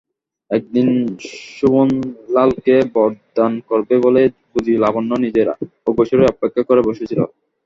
একদিন শোভনলালকে বরদান করবে বলেই বুঝি লাবণ্য নিজের অগোচরেই অপেক্ষা করে বসে ছিল।